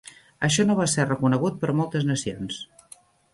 Això no va ser reconegut per moltes nacions.